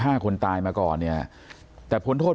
ไม่อยากให้ต้องมีการศูนย์เสียกับผมอีก